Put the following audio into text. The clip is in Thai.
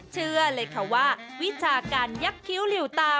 เชื่อเลยว่าวิชาการยกทิ้วเหลวตา